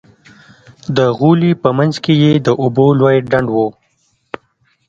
د غولي په منځ کښې يې د اوبو لوى ډنډ و.